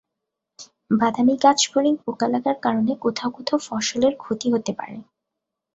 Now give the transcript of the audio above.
বাদামি গাছফড়িং পোকা লাগার কারণে কোথাও কোথাও ফসলের ক্ষতি হতে পারে।